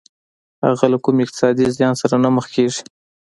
هغه له کوم اقتصادي زيان سره نه مخ کېږي.